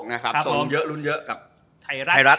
ส่งเยอะรุ่นเยอะกับไทรัฐ